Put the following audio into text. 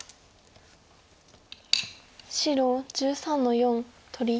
白１３の四取り。